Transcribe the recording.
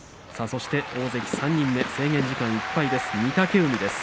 そして大関３人目制限時間いっぱいです。